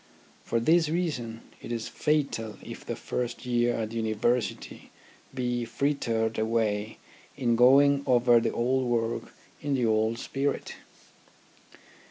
For this reason it is fatal if the first year at the University be frittered away in going over the old work in the old spirit.